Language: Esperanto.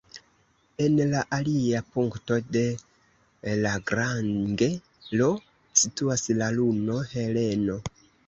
En la alia punkto de Lagrange, L, situas la luno Heleno.